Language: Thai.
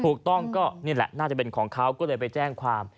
ถูกต้องก็นี่แหละน่าจะเป็นของเขาก็เลยไปแจ้งความ